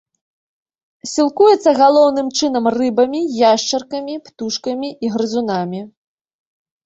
Сілкуецца галоўным чынам рыбамі, яшчаркамі, птушкамі і грызунамі.